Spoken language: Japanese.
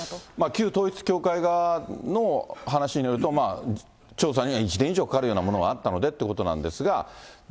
旧統一教会側の話によると、調査には１年以上かかるようなものがあったのでっていうことなんですが。